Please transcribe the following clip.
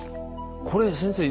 これ先生